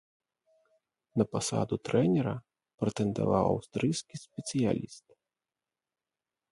На пасаду трэнера прэтэндаваў аўстрыйскі спецыяліст.